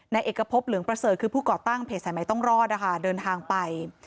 เอกพบเหลืองประเสริฐคือผู้ก่อตั้งเพจสายใหม่ต้องรอดนะคะเดินทางไป